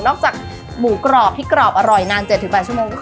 นอกจากหมูกรอบที่เกราะอร่อยนานเจ็ดถึงวันชั่วโมง